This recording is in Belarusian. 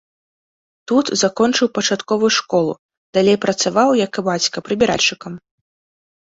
Тут закончыў пачатковую школу, далей працаваў, як і бацька прыбіральшчыкам.